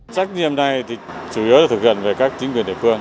trách nhiệm này thì chủ yếu là thực hiện về các chính quyền địa phương